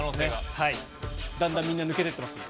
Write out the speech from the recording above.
だんだんみんな、抜けてってますんで。